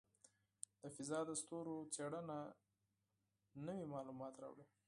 د فضاء د ستورو څېړنه نوې معلومات راوړي.